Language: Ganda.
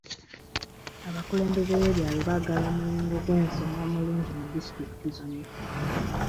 Abakulembeze b'ebyalo baagala omuyungo gw'ensoma omulungi mu disitulikiti zonna.